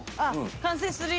完成するよ。